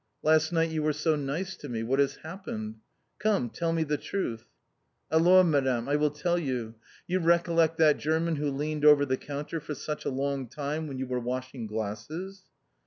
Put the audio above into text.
"Last night you were so nice to me. What has happened? Come, tell me the truth." "Alors, Madame, I will tell you! You recollect that German who leaned over the counter for such a long time when you were washing glasses?"